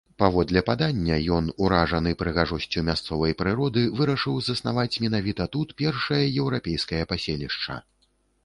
Паводле падання, ён, уражаны прыгажосцю мясцовай прыроды, вырашыў заснаваць менавіта тут першае еўрапейскае паселішча.